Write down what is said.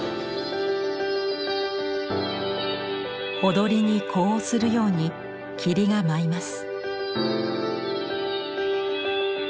踊りに呼応するように霧が舞います。